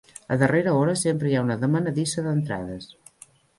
A darrera hora sempre hi ha una demanadissa d'entrades.